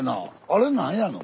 あれ何やの？